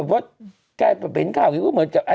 พออยากจับตัวเองมุมนี่แบบน่ะ